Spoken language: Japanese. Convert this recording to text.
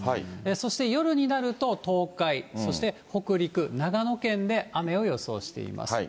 そして夜になると東海、そして北陸、長野県で雨を予想しています。